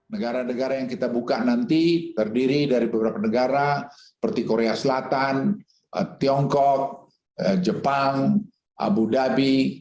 negara negara yang kita buka nanti terdiri dari beberapa negara seperti korea selatan tiongkok jepang abu dhabi